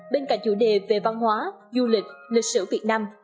bên cạnh chủ đề về văn hóa du lịch lịch sử việt nam